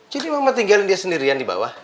jadi mama tinggalin dia sendirian di bawah